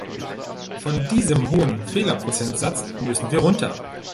Von diesem hohen Fehlerprozentsatz müssen wir runter.